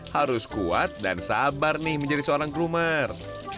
harus kuat dan sabar nih menjadi seorang krumer